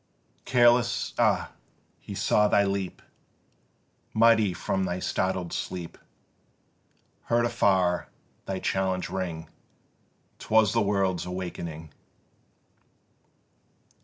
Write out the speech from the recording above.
Careless, ah! he saw thee leap Mighty from thy startled sleep, Heard afar thy challenge ring: 'Twas the world's awakening.